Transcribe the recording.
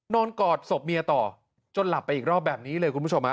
กอดศพเมียต่อจนหลับไปอีกรอบแบบนี้เลยคุณผู้ชมฮะ